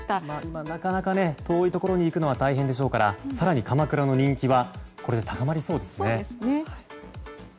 今、なかなか遠いところに行くのは大変でしょうから更に鎌倉の人気はこれで高まりそうですね。